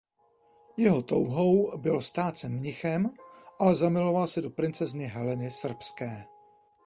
Jeho touhou bylo stát se mnichem ale zamiloval se do princezny Heleny Srbské.